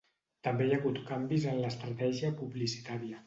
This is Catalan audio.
També hi ha hagut canvis en l'estratègia publicitària.